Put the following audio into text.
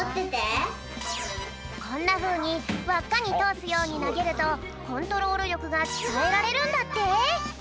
こんなふうにわっかにとおすようになげるとコントロールりょくがきたえられるんだって！